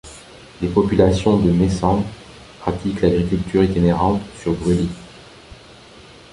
Les populations de Messeng pratiquent l'agriculture itinérante sur brulis.